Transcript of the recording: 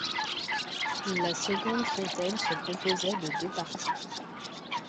La seconde fontaine se composait de deux parties.